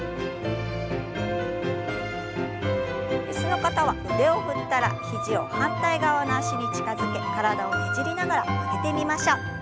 椅子の方は腕を振ったら肘を反対側の脚に近づけ体をねじりながら曲げてみましょう。